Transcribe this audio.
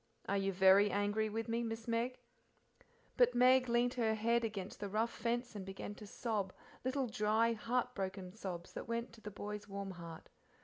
Are you very angry with me, Miss Meg?" But Meg leaned her head against the rough fence and began to sob little, dry, heartbroken sobs that went to the boy's warm heart.